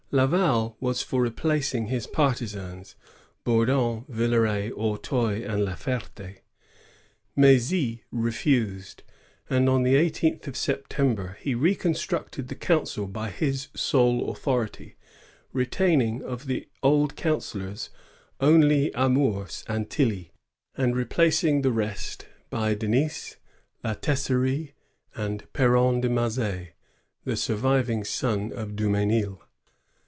Laval was for replacing his partisans. Bourdon, Villeray, Auteuil, and La Fert^. Mdzy refused; and on the eighteenth of September he reconstructed the council by his sole authority, retaining of the old councillors only Amours and Tilly, and replacing the rest by Denis, La Tesserie, and P^ronne de Maz^ the surviving son of Dumesnil.